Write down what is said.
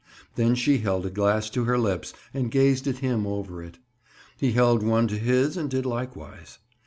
Then she held a glass to her lips and gazed at him over it. He held one to his and did likewise.